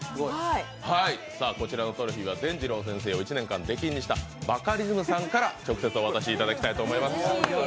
こちらのトロフィーは、でんじろう先生を１年間、出禁にしたバカリズムさんから直接お渡しいただきたいと思います。